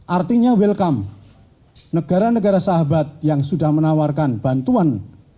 artinya welcome negara negara sahabat yang sudah menawarkan bantuan